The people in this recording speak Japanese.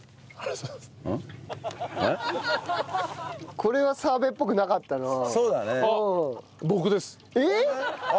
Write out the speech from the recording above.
これは澤部っぽくなかったなあ。